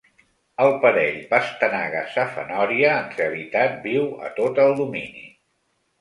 El parell pastanaga-safanòria en realitat viu a tot el domini.